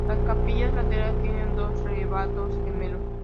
Las capillas laterales tienen dos retablos gemelos.